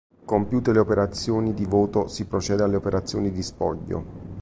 Compiute le operazioni di voto, si procede alle operazioni di spoglio.